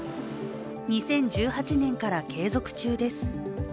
２０１８年から継続中です。